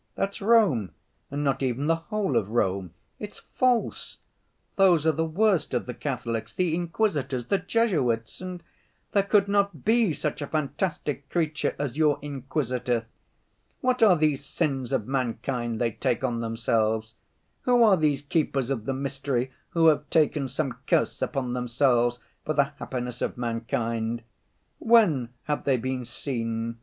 That's Rome, and not even the whole of Rome, it's false—those are the worst of the Catholics, the Inquisitors, the Jesuits!... And there could not be such a fantastic creature as your Inquisitor. What are these sins of mankind they take on themselves? Who are these keepers of the mystery who have taken some curse upon themselves for the happiness of mankind? When have they been seen?